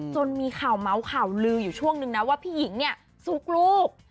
จนมีข่าวเมาส์ข่าวลืออยู่ช่วงนึงนะว่าพี่หญิงเนี่ยซุกลูก